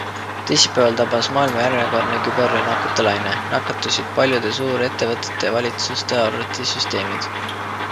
Teisipäeval tabas maailma järjekordne küberrünnakute laine, nakatusid paljude suurettevõtete ja valitsuste arvutisüsteemid.